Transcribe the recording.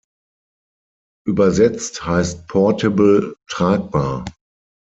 Übersetzt heißt portable „tragbar“.